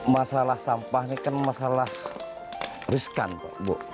masalah sampah ini kan masalah riskan pak bu